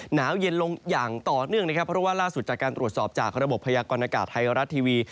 หนาวเย็นลงอย่างต่อเนื่องนะครับเพราะว่าล่าสุดจากการตรวจสอบจากระบบพยากรณากาศไทยรัฐทีวี